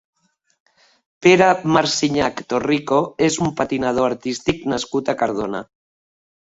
Pere Marsinyach Torrico és un patinador artístic nascut a Cardona.